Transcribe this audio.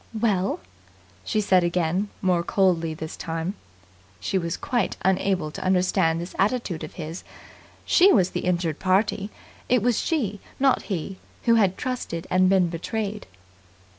"Well?" she said again, more coldly this time. She was quite unable to understand this attitude of his. She was the injured party. It was she, not he who had trusted and been betrayed.